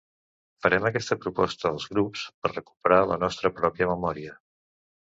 Farem aquesta proposta als grups per recuperar la nostra pròpia memòria.